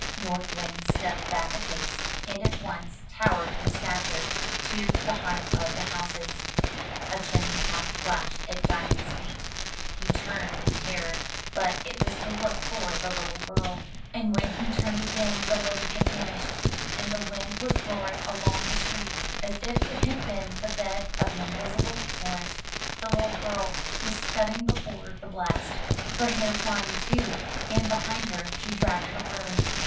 North Wind stepped back a pace, and at once towered in stature to the height of the houses. A chimney pot clashed at Diamond's feet. He turned in terror, but it was to look for the little girl, and when he turned again the lady had vanished, and the wind was roaring along the street as if it had been the bed of an invis ible torrent. The Httle girl was scudding before the blast, her hair flying too, and behind her she dragged her broom.